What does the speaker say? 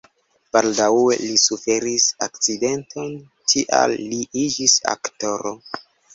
Baldaŭe li suferis akcidenton, tial li iĝis aktoro.